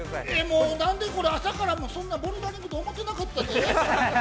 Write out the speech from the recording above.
◆もう、なんで、朝からそんなボルダリングとか、思ってなかったで。